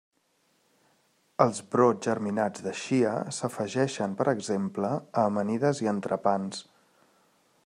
Els brots germinats de xia s'afegeixen per exemple a amanides i entrepans.